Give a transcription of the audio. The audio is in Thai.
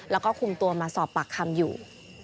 แล้วก็คุมตัวมาสอบปากคำอยู่